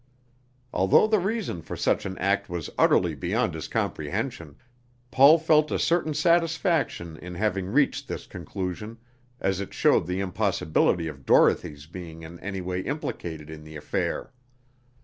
Although the reason for such an act was utterly beyond his comprehension, Paul felt a certain satisfaction in having reached this conclusion, as it showed the impossibility of Dorothy's being in any way implicated in the affair.